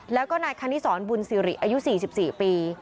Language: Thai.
แล้วก็นายคณิสรบุญสิริอายุ๔๔ปี